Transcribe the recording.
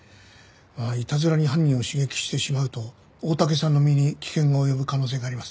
いたずらに犯人を刺激してしまうと大竹さんの身に危険が及ぶ可能性があります。